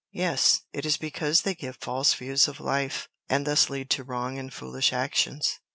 "Yes; it is because they give false views of life, and thus lead to wrong and foolish actions.